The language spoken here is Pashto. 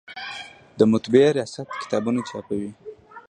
د مطبعې ریاست کتابونه چاپوي؟